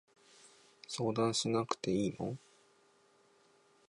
相談しなくていいの？